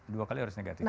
dua kali harus negatif